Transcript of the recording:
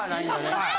はい。